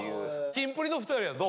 キンプリの２人はどう？